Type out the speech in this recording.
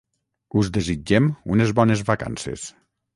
us desitgem unes bones vacances